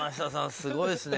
すごいですね。